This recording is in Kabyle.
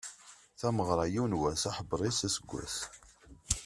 Tameɣra, yiwen wass, aḥebber-is aseggas.